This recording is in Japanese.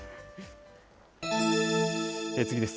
次です。